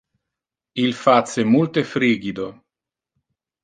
Il face multe frigido.